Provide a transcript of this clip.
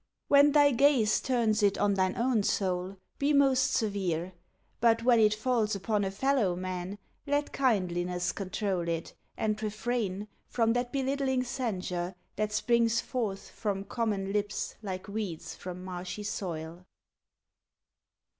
When they gaze Turns it on thine own soul, be most severe. But when it falls upon a fellow man Let kindliness control it; and refrain From that belittling censure that springs forth From common lips like weeds from marshy soil.